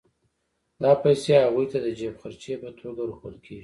دا پیسې هغوی ته د جېب خرچۍ په توګه ورکول کېږي